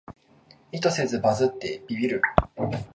意図せずバズってビビる